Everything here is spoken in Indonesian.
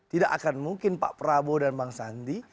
tidak akan mungkin pak prabowo dan bang sandi